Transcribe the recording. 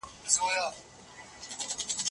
دا ژوند یوازې د ارمانونو یو فاني انځور دی.